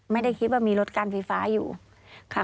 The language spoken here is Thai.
ไม่ได้คิดว่ามีรถไฟฟ้าค่ะ